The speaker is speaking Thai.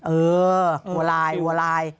เออวัวลายหัวลาย